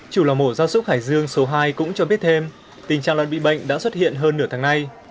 chủ lò mổ giao xúc hải dương số hai cũng cho biết thêm tình trạng loạn bị bệnh đã xuất hiện hơn nửa tháng nay